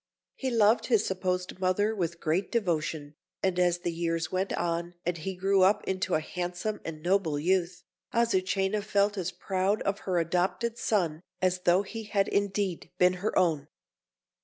He loved his supposed mother with great devotion, and as the years went on, and he grew up into a handsome and noble youth, Azucena felt as proud of her adopted son as though he had indeed been her own.